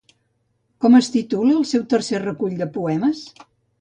Com es titula el seu tercer recull de poemes?